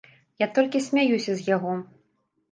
Я толькі смяюся з яго.